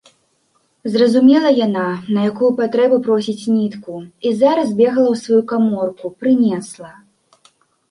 Зразумела яна, на якую патрэбу просіць нітку і зараз збегала ў сваю каморку, прынесла.